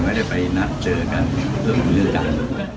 ไม่ได้ไปเจอกันต้องไปเจอกัน